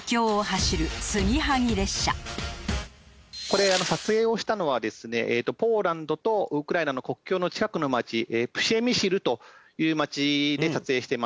これ撮影をしたのはですねポーランドとウクライナの国境の近くの街プシェミシルという街で撮影してます。